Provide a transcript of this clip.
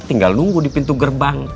tinggal nunggu di pintu gerbang